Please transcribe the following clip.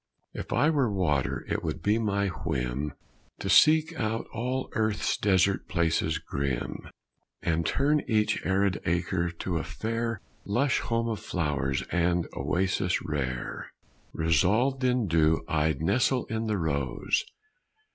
If I were water it would be my whim To seek out all earth's desert places grim, And turn each arid acre to a fair Lush home of flowers and oasis rare. Resolved in dew, I'd nestle in the rose.